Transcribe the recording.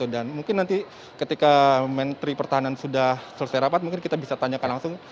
dan mungkin nanti ketika menteri pertahanan sudah selesai rapat mungkin kita bisa tanyakan langsung